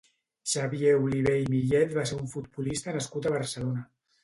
Xavier Olivé i Millet va ser un futbolista nascut a Barcelona.